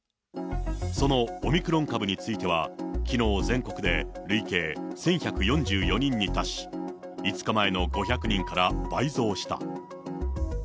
そのオミクロン株については、きのう全国で累計１１４４人に達し、５日前の５００人から倍増した。